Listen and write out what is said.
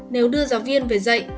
nếu đưa giáo viên về dạy